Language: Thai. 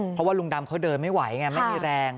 เพราะว่าลุงดำเขาเดินไม่ไหวไงไม่มีแรง